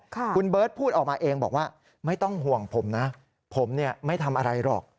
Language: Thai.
คุณเบิร์ตพูดออกมาเองบอกว่าไม่ต้องห่วงผมนะผมเนี่ยไม่ทำอะไรหรอก